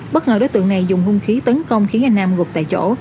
bất ngờ đối tượng này dùng hung khí tấn công khiến anh nam gục tại chỗ